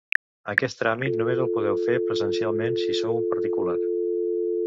Aquest tràmit només el podeu fer presencialment si sou un particular.